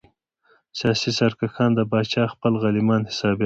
سیاسي سرکښان د پاچا خپل غلیمان حسابېدل.